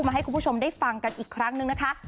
ให้คุณผู้ชมได้ฟังกันอีกครั้งหนึ่งนะคะ